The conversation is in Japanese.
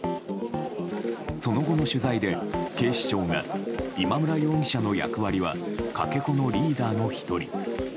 その後の取材で警視庁が、今村容疑者の役割はかけ子のリーダーの１人。